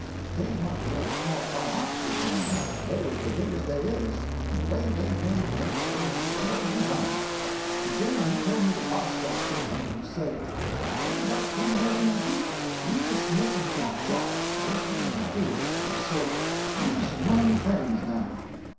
"Dey wa'n't no small fry officers, mine you, dey was de biggest dey IS; an' de way dey made dem sojers mosey roun'! De Gen'l he tole me to boss dat kitchen; an' he say, 'If anybody come meddlin' wid you, you jist make 'em walk chalk; don't you be afeared,' he say; 'you's 'mong frens now.'